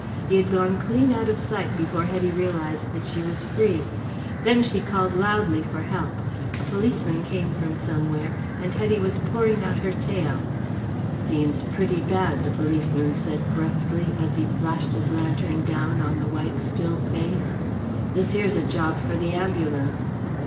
He had gone clean out of sight before Hetty realised that she was free. Then she called loudly for help. A policeman came from somewhere, and Hetty was pouring out her tale. "Seems pretty bad," said the policeman gruffly, as he flashed his lantern down on the white still face. "This here's a job for the ambulance."